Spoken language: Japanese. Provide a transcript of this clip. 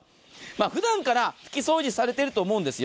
ふだんから拭き掃除されていると思うんですよ。